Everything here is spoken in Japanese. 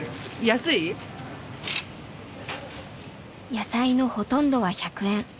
野菜のほとんどは１００円。